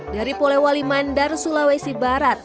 dari polewali mandar sulawesi barat